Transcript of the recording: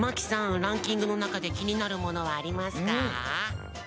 ランキングのなかできになるものはありますか？